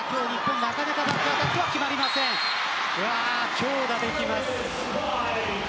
強打できます。